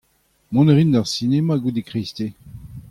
Mont a rin d'ar sinema goude kreisteiz.